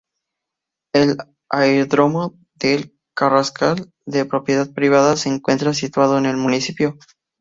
El aeródromo de El Carrascal, de propiedad privada, se encuentra situado en el municipio.